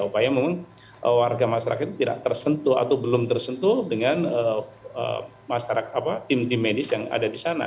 upaya memang warga masyarakat itu tidak tersentuh atau belum tersentuh dengan tim di medis yang ada di sana